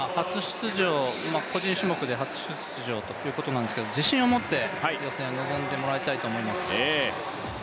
個人種目で初出場ということですけど、自信を持って予選を臨んでもらいたいと思います。